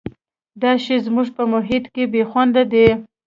دا شی زموږ په محیط کې بې خونده دی.